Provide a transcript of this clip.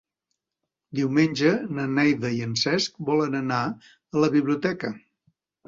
Diumenge na Neida i en Cesc volen anar a la biblioteca.